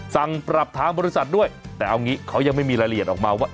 สั่งปรับทางบริษัทด้วยแต่เอางี้เขายังไม่มีรายละเอียดออกมาว่า